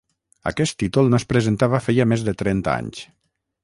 Aquest títol no es presentava feia més de trenta anys.